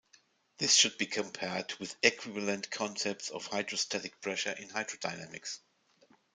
This should be compared with the equivalent concept of hydrostatic pressure in hydrodynamics.